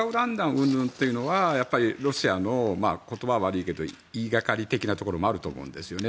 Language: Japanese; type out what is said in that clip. うんぬんというのはやっぱり、ロシアの言葉は悪いけど言いがかり的なところもあると思うんですよね。